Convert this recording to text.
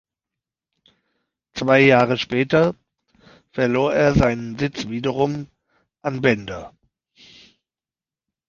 Zwei Jahre später verlor er seinen Sitz wiederum an Bender.